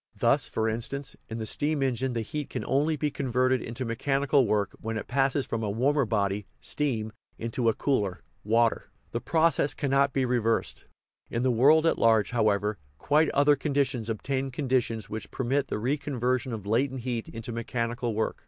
Thus, for instance, in the steam engine the heat can only be converted into mechanical work when it passes from a warmer body (steam) into a cooler (water) ; the proc ess cannot be reversed. In the world at large, however, quite other conditions obtain conditions which per mit the reconversion of latent heat into mechanical work.